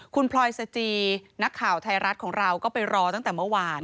คุณพลอยสจีนักข่าวไทยรัฐของเราก็ไปรอตั้งแต่เมื่อวาน